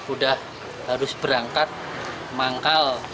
udah harus berangkat manggal